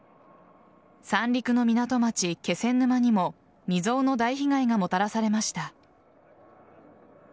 三陸の港町、気仙沼にも未曾有の大被害がもたらされました。